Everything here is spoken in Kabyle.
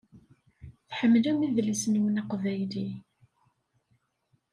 Tḥemmlem idles-nwen aqbayli.